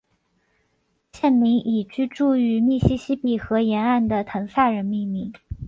县名以居住于密西西比河沿岸的滕萨人命名。